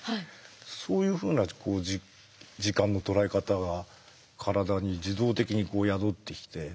そういうふうな時間の捉え方が体に自動的に宿ってきて。